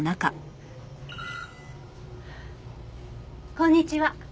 こんにちは。